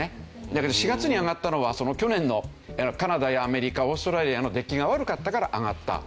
だけど４月に上がったのは去年のカナダやアメリカオーストラリアの出来が悪かったから上がった。